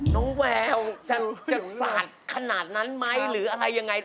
แววจะสาดขนาดนั้นไหมหรืออะไรยังไง